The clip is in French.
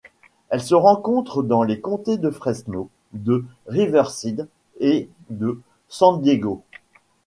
Elle se rencontre dans les comtés de Fresno, de Riverside et de San Diego.